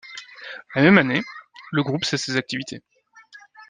La même année, le groupe cesse ses activités.